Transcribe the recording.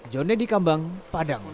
jonny di kambang padang